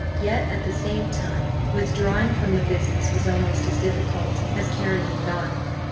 Yet, at the same time, withdrawing from the business, was almost as difficult as carrying it on.